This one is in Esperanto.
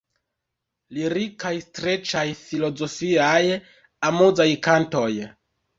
Lirikaj, streĉaj, filozofiaj, amuzaj kantoj.